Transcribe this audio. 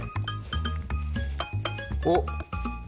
おっ。